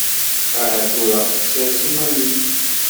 Aha tura sres iman-ik!